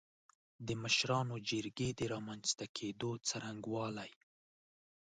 د مشرانو جرګې د رامنځ ته کېدو څرنګوالی